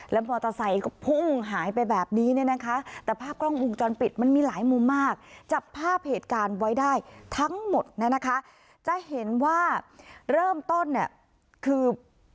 มอเตอร์ไซค์ก็พุ่งหายไปแบบนี้เนี่ยนะคะแต่ภาพกล้องวงจรปิดมันมีหลายมุมมากจับภาพเหตุการณ์ไว้ได้ทั้งหมดนะคะจะเห็นว่าเริ่มต้นเนี่ยคือ